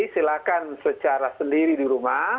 silakan secara sendiri di rumah